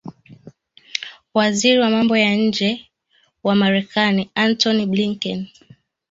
Waziri wa Mambo ya Nje wa Marekani Antony Blinken